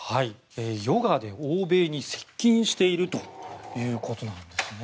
ヨガで欧米に接近しているということです。